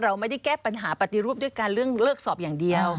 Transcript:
เราไม่ได้แก้ปัญหาปฏิรูปด้วยการเรื่องเลิกสอบอย่างเดียว